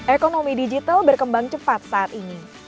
ekonomi digital berkembang cepat saat ini